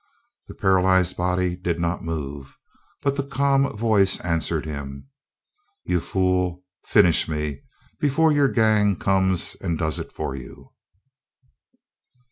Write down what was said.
The paralyzed body did not move, but the calm voice answered him: "You fool! Finish me before your gang comes and does it for you!"